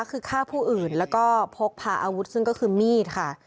คือฆ่าผู้อื่นแล้วก็พกพาอาวุธซึ่งก็คือมีดค่ะ